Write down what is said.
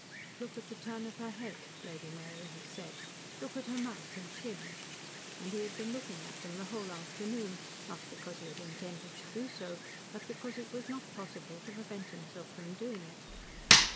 "Look at the turn of her head," Lady Mary had said. "Look at her mouth and chin." And he had been looking at them the whole afternoon, not because he had intended to do so, but because it was not possible to prevent himself from doing it.